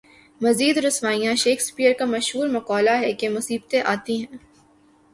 مزید رسوائیاں شیکسپیئر کا مشہور مقولہ ہے کہ مصیبتیں آتی ہیں۔